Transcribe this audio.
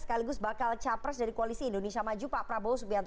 sekaligus bakal capres dari koalisi indonesia maju pak prabowo subianto